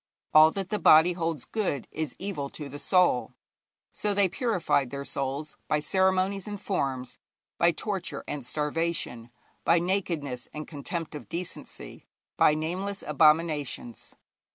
All that the body holds good is evil to the soul.' So they purified their souls by ceremonies and forms, by torture and starvation, by nakedness and contempt of decency, by nameless abominations.